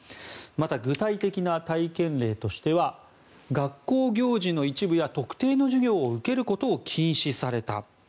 また、具体的な体験例としては学校行事の一部や特定の授業を受けることを禁止された。